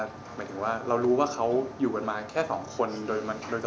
หมายถึงว่าเรารู้ว่าเค้าอยู่กันมาแค่ของคนโดยตลอด